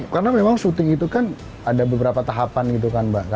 karena memang syuting itu kan ada beberapa tahapan gitu kan mbak